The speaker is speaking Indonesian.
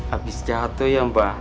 abis jatuh ya mbah